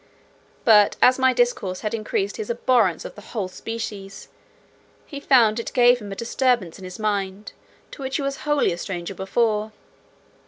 But as my discourse had increased his abhorrence of the whole species, so he found it gave him a disturbance in his mind to which he was wholly a stranger before.